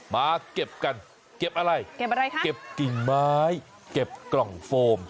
มาเก็บกันเก็บอะไรเก็บอะไรคะเก็บกิ่งไม้เก็บกล่องโฟม